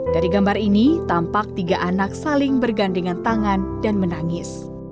dari gambar ini tampak tiga anak saling bergandengan tangan dan menangis